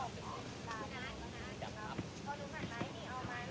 สุดท้ายสุดท้ายสุดท้ายสุดท้าย